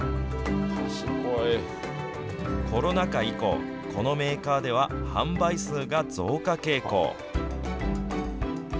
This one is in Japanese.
コロナ禍以降、このメーカーでは販売数が増加傾向。